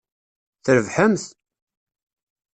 Trebḥemt!